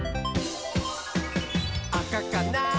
「あかかな？